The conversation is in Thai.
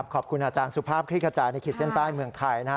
ขอบคุณอาจารย์สุภาพคลิกกระจายในขีดเส้นใต้เมืองไทยนะฮะ